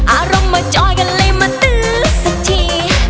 อารมณ์มาจอยกันเลยมาตื้อสักที